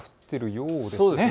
そうですね。